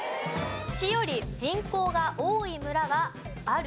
市より人口が多い村はある？